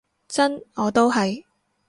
真，我都係